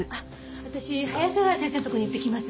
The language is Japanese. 私早瀬川先生のところに行ってきます。